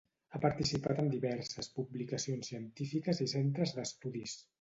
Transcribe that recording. Ha participat en diverses publicacions científiques i centres d'estudis.